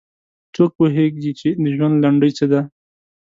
څوک پوهیږي چې د ژوند لنډۍ څه ده